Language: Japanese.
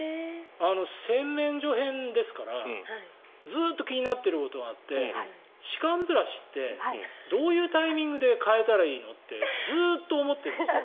洗面所編ですからずっと気になってることがあって歯間ブラシってどういうタイミングで替えたらいいの？ってずっと思ってるんですよ。